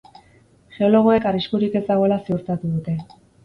Geologoek arriskurik ez dagoela ziurtatu dute.